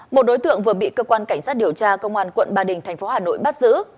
một đối tượng vừa bị cơ quan cảnh sát điều tra công an quận bà đình tp hcm bắt giữ